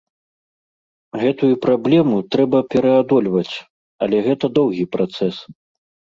Гэтую праблему трэба пераадольваць, але гэта доўгі працэс.